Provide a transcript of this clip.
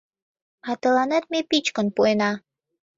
А тыланет ме пӱчкын пуэна.